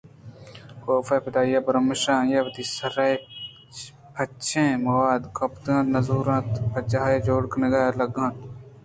کاف ءِ پادانی برٛمش ءَ آئی وتی سر ےپچیں مُود گوٛپت ءُ نز آؤرت اَنت ءُ جاہ ءِ جوڑ کنگ ءَ لگ اِت